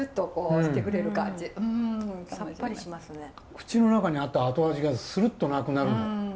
口の中にあった後味がスルッとなくなるの。